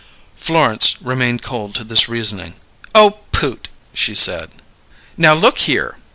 Florence remained cold to this reasoning. "Oh, Poot!" she said. "Now, look here!"